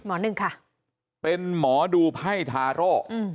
หมอหนึ่งค่ะเป็นหมอดูไพ่ทาร์โร